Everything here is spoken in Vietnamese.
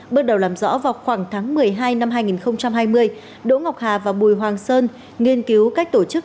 bước đầu làm rõ vào khoảng tháng một mươi hai năm hai nghìn hai mươi đỗ ngọc hà và bùi hoàng sơn nghiên cứu cách tổ chức